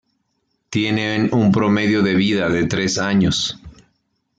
Tienen un promedio de vida de tres años.